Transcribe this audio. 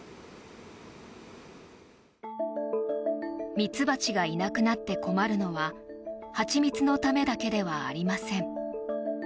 ミツバチがいなくなって困るのは蜂蜜のためだけではありません。